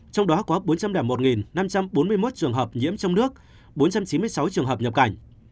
trong đó có bốn trăm linh một năm trăm bốn mươi một trường hợp nhiễm trong nước bốn trăm chín mươi sáu trường hợp nhập cảnh